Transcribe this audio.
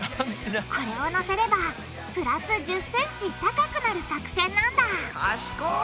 これをのせればプラス１０ｃｍ高くなる作戦なんだ賢い！